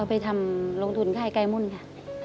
เอาไปทำลงทุนไข่ไก่มุ่นค่ะ